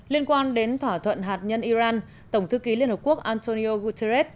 liên quan đến thỏa thuận hạt nhân iran tổng thư ký liên hợp quốc antonio guterres